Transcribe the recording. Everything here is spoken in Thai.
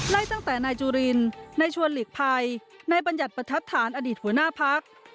ตั้งแต่นายจุรินนายชวนหลีกภัยนายบัญญัติประทัดฐานอดีตหัวหน้าพัก